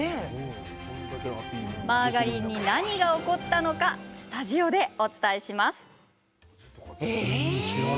マーガリンに何が起こったのかスタジオでお教えします。